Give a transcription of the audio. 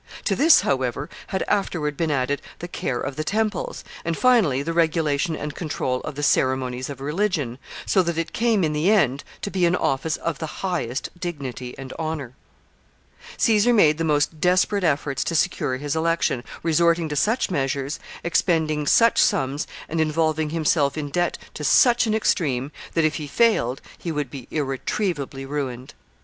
To this, however, had afterward been added the care of the temples, and finally the regulation and control of the ceremonies of religion, so that it came in the end to be an office of the highest dignity and honor. Caesar made the most desperate efforts to secure his election, resorting to such measures, expending such sums, and involving himself in debt to such an extreme, that, if he failed, he would be irretrievably ruined.